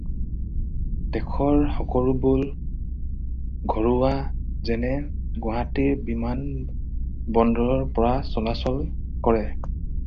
দেশৰ সকলোবোৰ ঘৰুৱা যেনে গুৱাহাটীৰ বিমান বন্দৰৰ পৰা চলাচল কৰে।